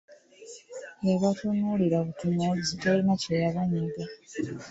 Yabatunuulira butunuulizi talina kyeyabanyega.